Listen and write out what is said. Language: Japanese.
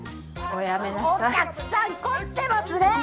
お客さん凝ってますねぇ。